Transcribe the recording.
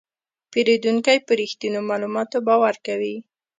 پیرودونکی په رښتینو معلوماتو باور کوي.